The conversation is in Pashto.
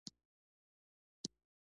په آسانۍ سره به فریضه ادا کړي.